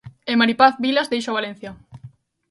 E Mari Paz Vilas deixa o Valencia.